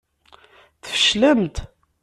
Tfeclemt.